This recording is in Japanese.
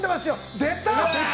出た。